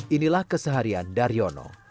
inilah keseharian daryono